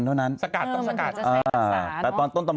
ต้องสกัดเอาอะไรไป